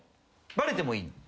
バレてもいいの？